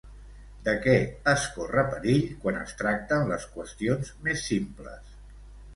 De què es corre perill quan es tracten les qüestions més simples?